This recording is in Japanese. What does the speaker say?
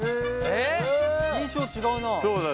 印象違うな。